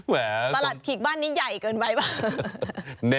ประหลัดขีกบ้านนี้ใหญ่เกินไปป่ะ